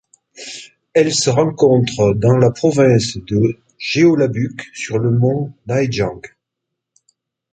Elle se rencontre dans la province de Jeollabuk sur le mont Naejang.